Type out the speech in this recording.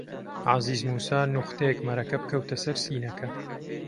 عەزیز مووسا نوختەیەک مەرەکەب کەوتە سەر سینەکە